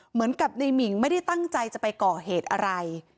เหมือนกับในหมิ่งไม่ได้ตั้งใจจะไปก่อเหตุอะไร